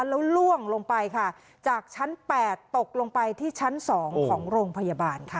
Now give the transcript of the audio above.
แล้วล่วงลงไปค่ะจากชั้น๘ตกลงไปที่ชั้น๒ของโรงพยาบาลค่ะ